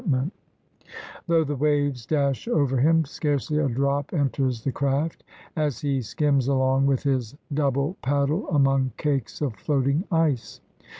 126 THE RED MAN'S CONTINENT Though the waves dash over hini, scarcely a drop enters the craft as he skims along with his double paddle among cakes of floating ice.